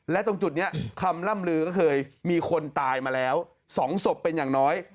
และตรงจุดนี้คำล่ำลือก็เคยมีคนตายมาแล้ว๒ศพเป็นอย่างน้อย